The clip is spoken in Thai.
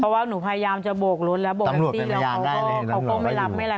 เพราะว่าหนูพยายามจะโบกรถแล้วตำรวจเป็นพยายามได้เลยเขาก็ไม่รับไม่ไร